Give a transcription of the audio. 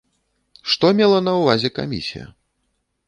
Што мела на ўвазе камісія?